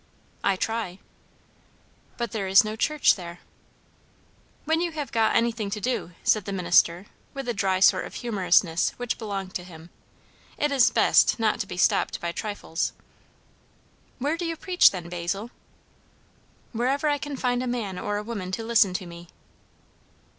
"I try." "But there is no church there?" "When you have got anything to do," said the minister, with a dry sort of humourousness which belonged to him, "it is best not be stopped by trifles." "Where do you preach, then, Basil?" "Wherever I can find a man or a woman to listen to me."